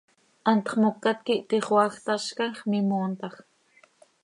Hantx mocat quih tixoaaj, tazcam x, mimoontaj.